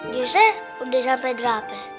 jisil udah sampai drape